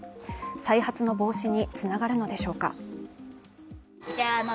再発の防止につながるのでしょうか。